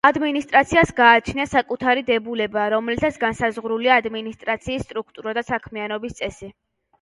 ადმინისტრაციას გააჩნია საკუთარი დებულება, რომლითაც განსაზღვრულია ადმინისტრაციის სტრუქტურა და საქმიანობის წესი.